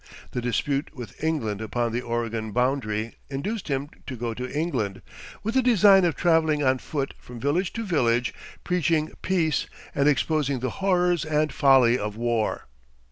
The dispute with England upon the Oregon boundary induced him to go to England, with the design of traveling on foot from village to village, preaching peace, and exposing the horrors and folly of war.